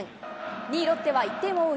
２位ロッテは１点を追う